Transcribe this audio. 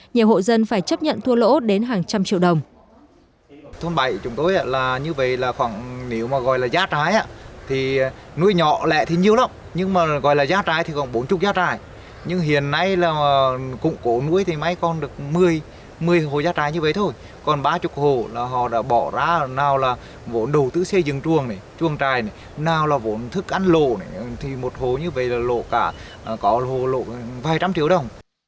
nhiều hộ dân phải chấp nhận thua lỗ đến hàng trăm triệu đồng